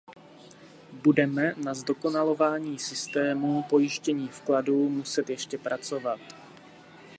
Budeme na zdokonalování systémů pojištění vkladů muset ještě pracovat.